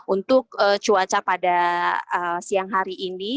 untuk cuaca pada siang hari ini